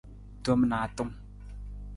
Tom naatung.